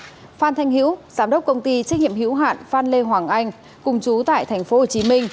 phan thanh hữu giám đốc công ty trách nhiệm hữu hạn phan lê hoàng anh cùng chú tại tp hcm